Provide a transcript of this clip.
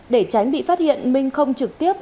để tránh bị phát hiện mình không trực tiếp